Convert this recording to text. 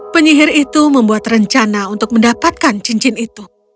penyihir itu membuat rencana untuk mendapatkan cincin itu